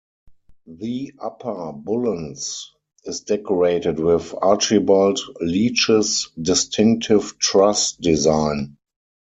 The Upper Bullens is decorated with Archibald Leitch's distinctive truss design.